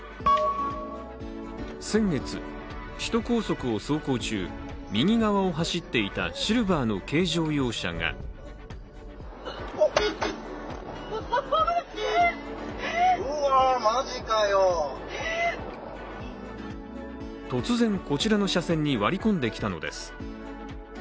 先月、首都高速を走行中、右側を走っていたシルバーの軽乗用車が突然、こちらの車線に割り込んできたのです。